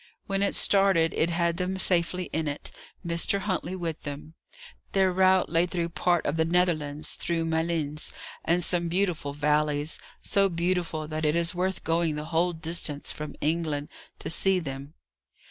When it started, it had them safely in it, Mr. Huntley with them. Their route lay through part of the Netherlands, through Malines, and some beautiful valleys; so beautiful that it is worth going the whole distance from England to see them.